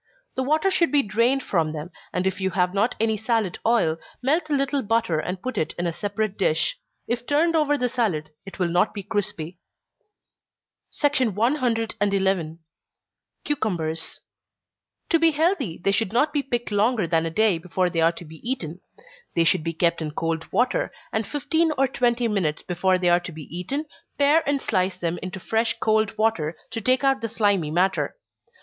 The water should be drained from them, and if you have not any salad oil, melt a little butter and put it in a separate dish if turned over the salad, it will not be crispy. 111. Cucumbers. To be healthy they should not be picked longer than a day before they are to be eaten. They should be kept in cold water, and fifteen or twenty minutes before they are to be eaten, pare and slice them into fresh cold water, to take out the slimy matter.